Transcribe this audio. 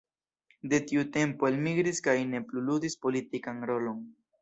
De tiu tempo elmigris kaj ne plu ludis politikan rolon.